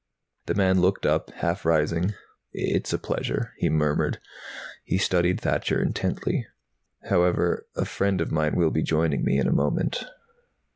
The man looked up, half rising. "It's a pleasure," he murmured. He studied Thacher intently. "However, a friend of mine will be joining me in a moment."